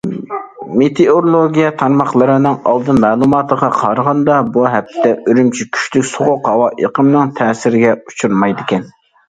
مېتېئورولوگىيە تارماقلىرىنىڭ ئالدىن مەلۇماتىغا قارىغاندا، بۇ ھەپتىدە ئۈرۈمچى كۈچلۈك سوغۇق ھاۋا ئېقىمىنىڭ تەسىرىگە ئۇچرىمايدىكەن.